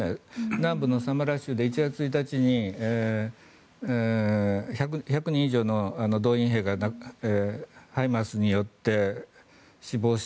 南部のサマラ州で１月１日に１００人以上の動員兵がＨＩＭＡＲＳによって死亡した。